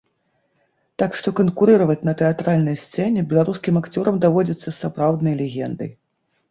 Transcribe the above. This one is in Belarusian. Так што канкурыраваць на тэатральнай сцэне беларускім акцёрам даводзіцца з сапраўднай легендай.